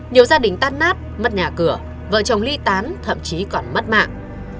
nhiều gia đình tan nát mất nhà cửa vợ chồng ly tán thậm chí còn mất mạng